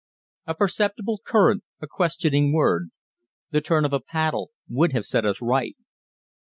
A perceptible current, a questioning word, the turn of a paddle would have set us right.